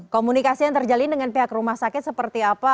komunikasi yang terjalin dengan pihak rumah sakit seperti apa